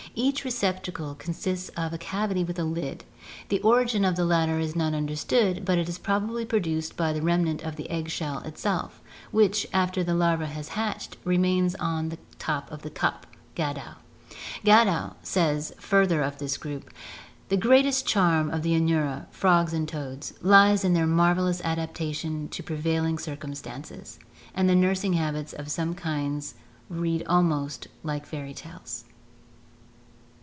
Each receptacle consists of a cavity with a lid; the origin of the latter is not understood but it is probably produced by the remnant of the egg shell itself, which, after the larva is hatched, remains on the top of the cup (Gadow). Gadow says further of this group: "The greatest charm of the Anura [frogs and toads] lies in their marvellous adaptation to prevailing circumstances; and the nursing habits of some kinds read almost like fairy tales."